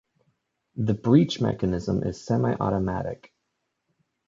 The breech mechanism is semi-automatic.